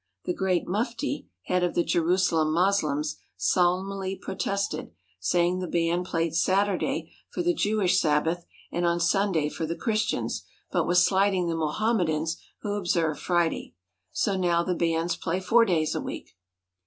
The Grand Mufti, head of the Jerusalem Moslems, solemnly protested, saying the band played Saturday for the Jewish Sab bath and on Sunday for the Christians, but was slighting the Mohammedans, who observed Friday. So now the bands play four days a week.